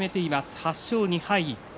８勝２敗。